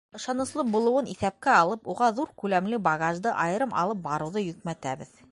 Ышаныслы булыуын иҫәпкә алып, уға ҙур күләмле багажды айырым алып барыуҙы йөкмәтәбеҙ.